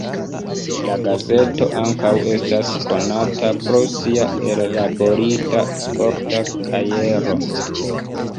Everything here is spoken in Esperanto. La gazeto ankaŭ estas konata pro sia ellaborita sporta kajero.